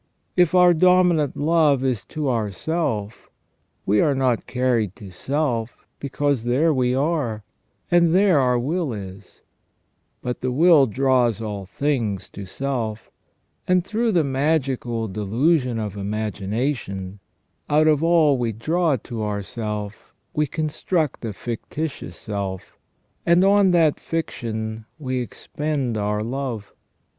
If our dominant love is to ourself, we are not carried to self, because there we are, and there our will is ; but the will draws all things to self, and through the magical delusion of imagination, out of all we draw to ourself we construct a fictitious self, and on that fiction we expend our love.